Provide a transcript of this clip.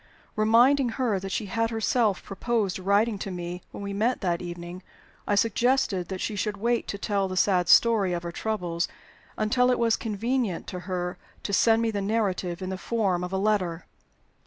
Reminding her that she had herself proposed writing to me when we met that evening, I suggested that she should wait to tell the sad story of her troubles until it was convenient to her to send me the narrative in the form of a letter.